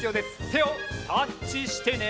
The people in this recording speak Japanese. てをタッチしてね！